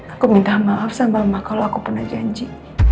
aku minta maaf sama kalau aku pernah janji